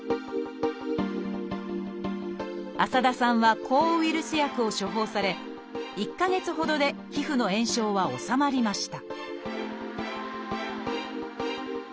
浅田さんは抗ウイルス薬を処方され１か月ほどで皮膚の炎症は治まりました